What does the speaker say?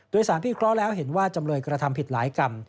โดยสารพิเคราะห์แล้วเห็นว่าจำเลยกระทำผิดหลายกรรม